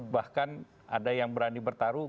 bahkan ada yang berani bertarung